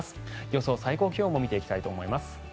予想最高気温も見ていきたいと思います。